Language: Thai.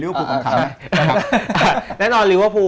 แมทตอนที่จอดันไทยเนสซันโดนใบแดง